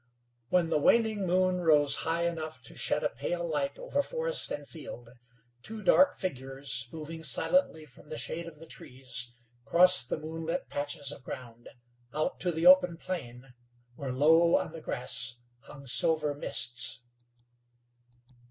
When the waning moon rose high enough to shed a pale light over forest and field, two dark figures, moving silently from the shade of the trees, crossed the moonlit patches of ground, out to the open plain where low on the grass hung silver mists.